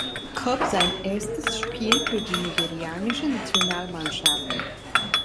Cup sein erstes Spiel für die nigerianische Nationalmannschaft.